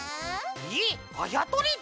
えっあやとりで！？